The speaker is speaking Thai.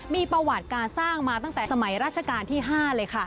มีประวัติการสร้างมาตั้งแต่สมัยราชการที่๕เลยค่ะ